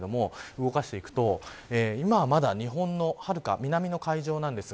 動かしていくと今はまだ日本のはるか南の海上です。